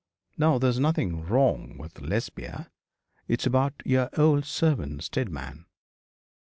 'No, there is nothing wrong with Lesbia. It is about your old servant Steadman.'